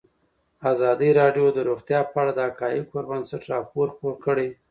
ازادي راډیو د روغتیا په اړه د حقایقو پر بنسټ راپور خپور کړی.